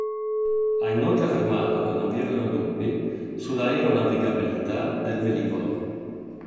Ha inoltre affermato che non vi erano dubbi sull'aeronavigabilità del velivolo.